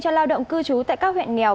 cho lao động cư trú tại các huyện nghèo